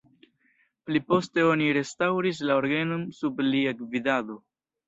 Pli poste oni restaŭris la orgenon sub lia gvidado.